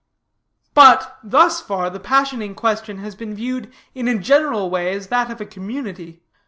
"'But, thus far the passion in question has been viewed in a general way as that of a community.